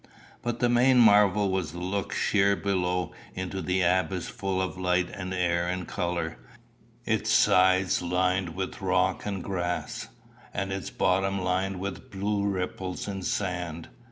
But the main marvel was the look sheer below into the abyss full of light and air and colour, its sides lined with rock and grass, and its bottom lined with blue ripples and sand.